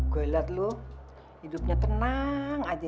gue liat lu hidupnya tenang aja ya